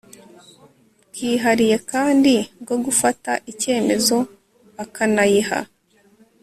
bwihariye kandi bwo gufata icyemezo akanayiha